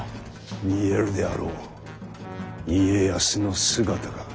見えるであろう家康の姿が。